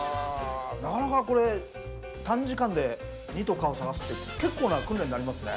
なかなかこれ短時間で「２」と「か」を探すって結構な訓練になりますね。